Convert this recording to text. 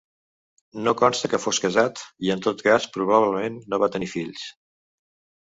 No consta que fos casat i en tot cas probablement no va tenir fills.